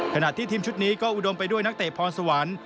ขณะที่ทีมชุดนี้ก็อุดมไปด้วยนักเตะพรสวรรค์